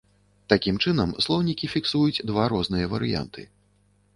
Такім чынам, слоўнікі фіксуюць два розныя варыянты.